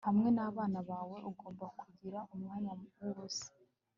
hamwe nabana bawe, ugomba kugira umwanya wubusa